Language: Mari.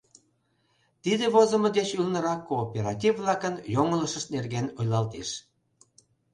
Тиде возымо деч ӱлнырак кооператив-влакын йоҥылышышт нерген ойлалтеш.